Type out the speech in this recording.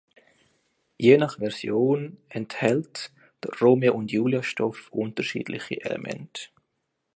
Je nach Version enthält der Romeo-und-Julia-Stoff unterschiedliche Elemente.